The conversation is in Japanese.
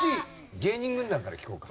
芸人軍団から聞こうか。